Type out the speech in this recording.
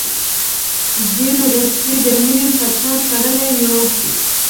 دین رشتې د مینې په تار تړلي یو.